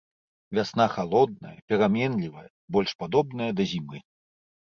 Вясна халодная, пераменлівая, больш падобная да зімы.